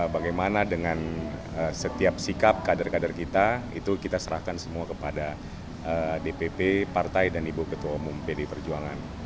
bagaimana dengan setiap sikap kader kader kita itu kita serahkan semua kepada dpp partai dan ibu ketua umum pdi perjuangan